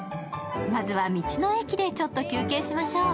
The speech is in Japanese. まずは、道の駅でちょっと休憩しましょう。